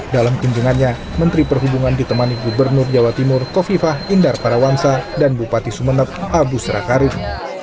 dalam kunjungannya menteri perhubungan ditemani gubernur jawa timur kofifah indar parawansa dan bupati sumeneb abu serakarim